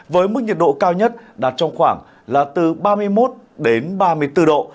với mức nhiệt độ cao nhất đạt trong khoảng là từ ba mươi một đến ba mươi bốn độ